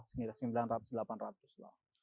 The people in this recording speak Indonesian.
sekitar sembilan ratus delapan ratus lah